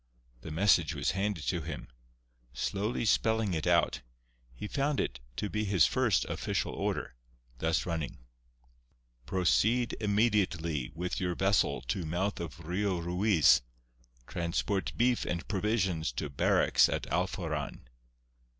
The message was handed to him. Slowly spelling it out, he found it to be his first official order—thus running: Proceed immediately with your vessel to mouth of Rio Ruiz; transport beef and provisions to barracks at Alforan.